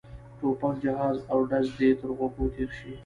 ټوپک جهاز او ډز دې تر غوږو تېر شي.